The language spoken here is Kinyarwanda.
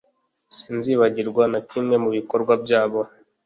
sinzibagirwa na kimwe mu bikorwa byabo